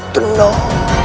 tengang rai tenang